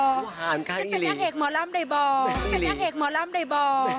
ความข่าวห้าข้างอีลีฉันเป็นแค่เข็กหมอร่ำได้บ่